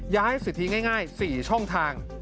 สิทธิง่าย๔ช่องทาง